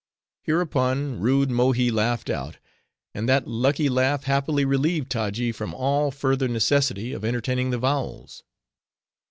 Hereupon, rude Mohi laughed out. And that lucky laugh happily relieved Taji from all further necessity of entertaining the Vowels.